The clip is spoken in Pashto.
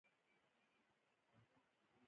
کله چې دا ماشوم را لوی شي زه به هڅه وکړم